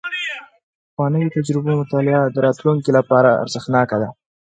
د پخوانیو تجربو مطالعه د راتلونکي لپاره ارزښتناکه ده.